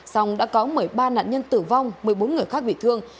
song đã có một mươi ba nạn nhân tử vong một mươi bốn người khác bị thương